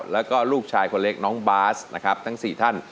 แล้วก็ลูกชายคนเล็กน้องบาสนะครับทั้ง๔ท่าน